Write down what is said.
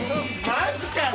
マジかよ！？